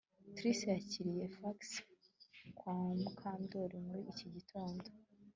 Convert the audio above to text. Trix yakiriye fax kwa Mukandoli muri iki gitondo